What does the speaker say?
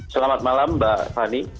selamat malam mbak fani